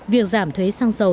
việc giảm thuế sang dầu